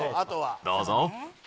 どうぞ。